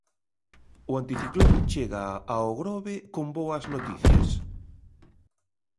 O anticiclón chega ao Grove con boas noticias.